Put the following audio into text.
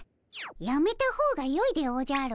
やめた方がよいでおじゃる。